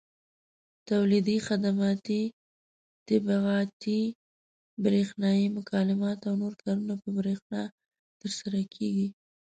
تولیدي، خدماتي، طباعتي، برېښنایي مکالمات او نور کارونه په برېښنا ترسره کېږي.